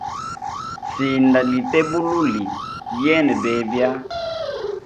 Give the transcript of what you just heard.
Sinda lite bululi yena bebya.